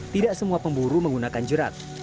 tidak semua pemburu menggunakan jerat